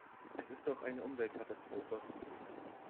Es ist auch eine Umweltkatastrophe.